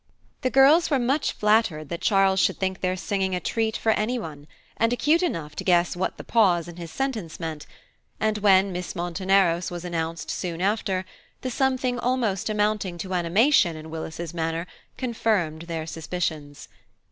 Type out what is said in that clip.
The girls were much flattered that Charles should think their singing a treat for anybody, and acute enough to guess what the pause in his sentence meant; and when Miss Monteneros was announced soon after, the something almost amounting to animation in Willis's manner confirmed their suspicions.